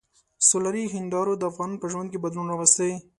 سولري هندارو د افغانانو په ژوند کې بدلون راوستی.